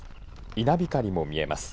稲光も見えます。